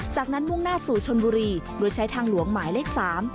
จากนั้นมุ่งหน้าสู่ชนบุรีโดยใช้ทางหลวงหมายเลขสาม